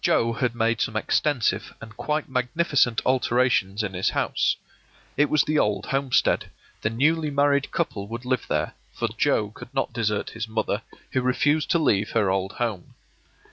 Joe had made some extensive and quite magnificent alterations in his house. It was the old homestead; the newly married couple would live there, for Joe could not desert his mother, who refused to leave her old home.